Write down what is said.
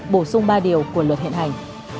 bổ sung ba điều của luật hiện hành